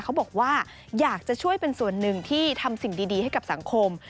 เขาบอกว่าอยากจะช่วยเป็นส่วนหนึ่งที่ทำสิ่งดีให้กับสังคม